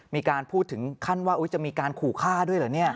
มีการพูดถึงขั้นว่าจะมีการขู่ฆ่าด้วยเหรอเนี่ย